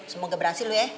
semoga berhasil lu ya